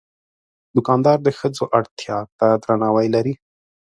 دوکاندار د ښځو اړتیا ته درناوی لري.